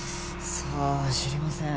さあ知りません